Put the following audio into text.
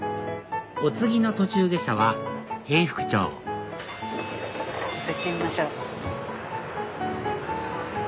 お次の途中下車は永福町行ってみましょう。